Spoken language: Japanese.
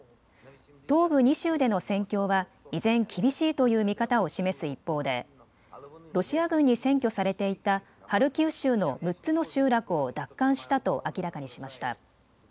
東部２州での戦況は依然、厳しいという見方を示す一方でロシア軍に占拠されていたハルキウ州の６つの集落を奪還したと明らかにしました。